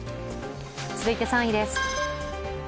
続いて３位です。